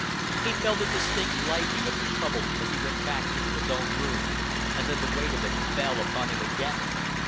He felt a distinct lightening of the trouble as he went back into his own room, and then the weight of it fell upon him again.